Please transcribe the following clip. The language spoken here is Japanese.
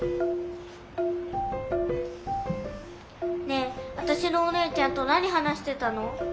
ねえわたしのお姉ちゃんと何話してたの？